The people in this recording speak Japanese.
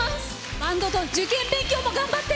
バンドと受験勉強も頑張って！